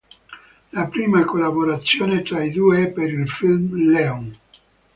La prima collaborazione tra i due è per il film "Léon".